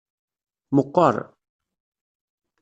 Meqqar.